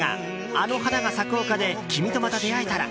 「あの花が咲く丘で、君とまた出会えたら。」